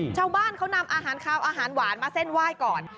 ชาวบ้านเขานำอาหารคาวอาหารหวานมาเส้นไหว้ก่อน